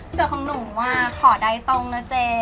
เสือของหนูขอได้ตรงนะเจ๊